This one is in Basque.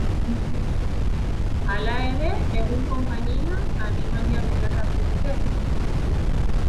Hala ere, egun konpainia-animalia bilakatu dute.